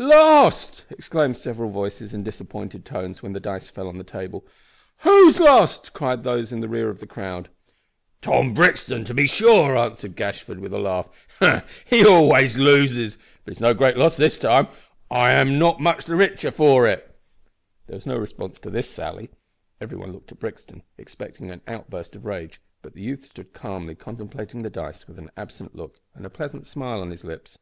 "Lost!" exclaimed several voices in disappointed tones, when the dice fell on the table. "Who's lost?" cried those in the rear of the crowd. "Tom Brixton, to be sure," answered Gashford, with a laugh. "He always loses; but it's no great loss this time, and I am not much the richer." There was no response to this sally. Every one looked at Brixton, expecting an outburst of rage, but the youth stood calmly contemplating the dice with an absent look, and a pleasant smile on his lips.